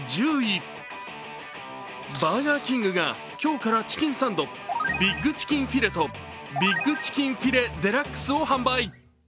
バーガーキングが今日からチキンサンド、ビッグチキンフィレとビッグチキンフィレデラックスを販売。